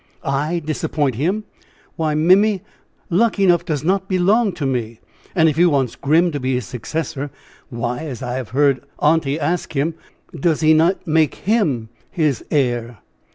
"I disappoint him? Why, Mimmy, Luckenough does not belong to me. And if he wants Grim to be his successor, why, as I have heard aunty ask him, does he not make him his heir?"